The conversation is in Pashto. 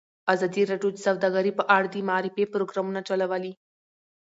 ازادي راډیو د سوداګري په اړه د معارفې پروګرامونه چلولي.